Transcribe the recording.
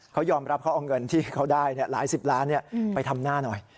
เขายอมรับเขาเอาเงินที่เขาได้หลายสิบล้านไปทำหน้าหน่อย